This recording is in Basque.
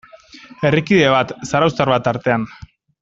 Herrikide bat, zarauztar bat tartean.